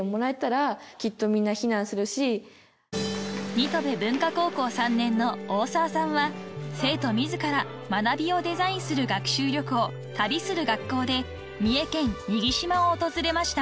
［新渡戸文化高校３年の大澤さんは生徒自ら学びをデザインする学習旅行旅する学校で三重県二木島を訪れました］